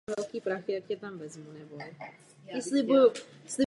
Do zavedení eura byl měnovou jednotkou i na Slovensku.